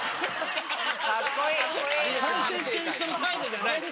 反省している人の態度じゃない。